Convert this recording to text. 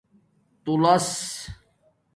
تُولس